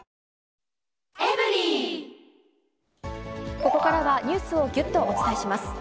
ここからは、ニュースをぎゅっとお伝えします。